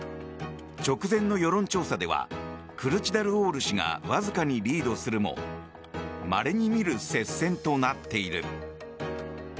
直前の世論調査ではクルチダルオール氏がわずかにリードするもまれに見る接戦となっている。